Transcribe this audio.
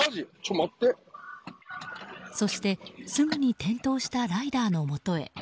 そして、すぐに転倒したライダーのもとへ。